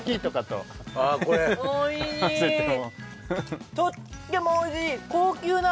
とってもおいしい！